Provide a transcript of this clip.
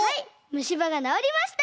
むしばがなおりました！